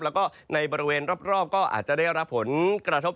แล้วก็ในบริเวณรอบก็อาจจะได้รับผลกระทบ